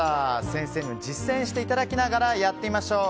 先生にも実践していただきながらやってみましょう。